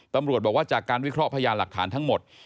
ตำรวจบอกว่าจากการวิเคราะหยาหลักฐานทั้งหมด